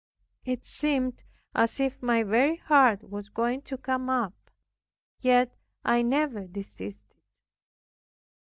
It seemed as if my very heart was going to come up; yet I never desisted.